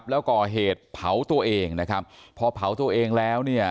แล้วก็เหตุเผาตัวเองพอเผาตัวเองแล้ว